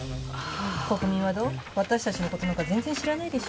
私たちのことなんか全然知らないでしょ。